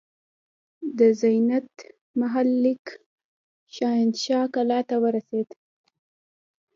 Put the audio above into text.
د زینت محل لیک شاهنشاه کلا ته ورسېد.